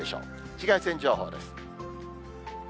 紫外線情報です。